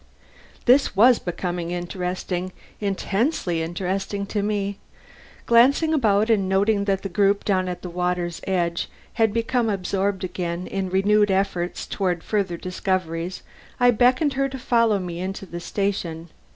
This was becoming interesting, intensely interesting to me. Glancing about and noting that the group down at the water edge had become absorbed again in renewed efforts toward further discoveries, I beckoned her to follow me into the station.